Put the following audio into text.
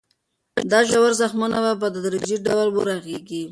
دا ژور زخمونه به په تدریجي ډول ورغېږي.